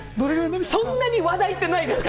そんなに話題ってないですか？